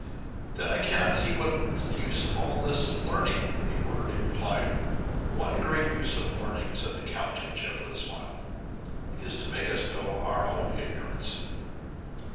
"Then I cannot see what is the use of all this learning," the orderly replied. "One great use of learning," said Count Timascheff with a smile, "is to make us know our own ignorance."